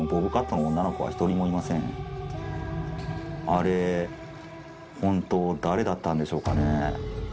あれ本当誰だったんでしょうかね。